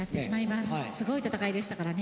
すごい戦いでしたからね。